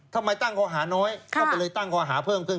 ทำไมตั้งข้อหาน้อยค่ะก็ไปเลยตั้งข้อหาเพิ่มเพิ่ม